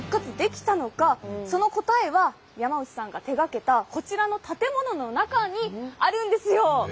その答えは山内さんが手がけたこちらの建物の中にあるんですよ。